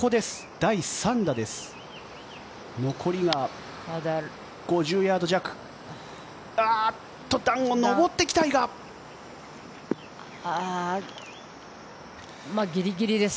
第３打です。